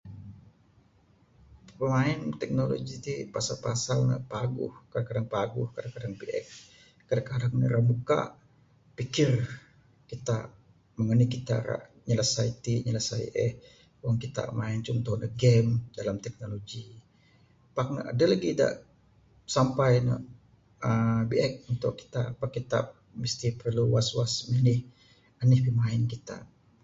Line teknologi ti pasal pasal ne paguh...kadang kadang paguh kadang kadang biek kadang kadang ne ira muka pikir kita meng anih kita ira nyelesai ti nyelesai eh wang kita main contoh ne game dalam teknologi...pak ne adeh lagik da sampai ne uhh biek untuk kita pak kita mesti perlu was was manih...anih pimain kita.